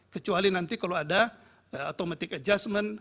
kecuali nanti kalau ada automatic adjustment